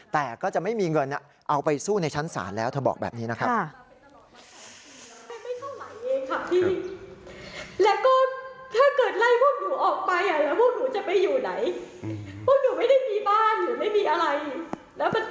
แต่ก็จะไม่มีเงินเอาไปสู้ในชั้นศาลแล้วเธอบอกแบบนี้นะครับ